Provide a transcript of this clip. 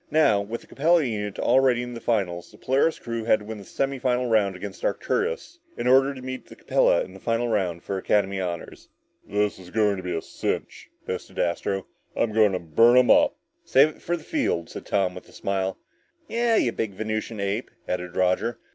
Now with the Capella unit already in the finals, the Polaris crew had to win their semifinal round against the Arcturus, in order to meet the Capella in the final round for Academy honors. "This is going to be a cinch," boasted Astro. "I'm going to burn 'em up!" "Save it for the field," said Tom with a smile. "Yeah, you big Venusian ape," added Roger.